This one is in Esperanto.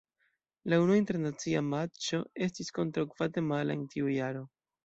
La unua internacia matĉo estis kontraŭ Gvatemalo en tiu jaro.